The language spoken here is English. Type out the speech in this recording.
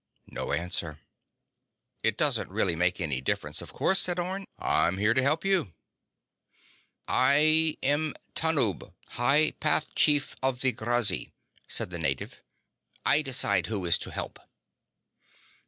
No answer. "It doesn't really make any difference, of course," said Orne. "I'm here to help you." "I am Tanub, High Path Chief of the Grazzi," said the native. "I decide who is to help."